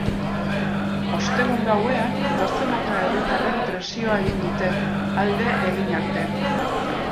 Ostegun gauean, dozenaka herritarrek presioa egin dute, alde egin arte.